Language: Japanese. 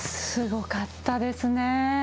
すごかったですね。